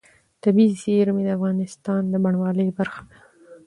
طبیعي زیرمې د افغانستان د بڼوالۍ برخه ده.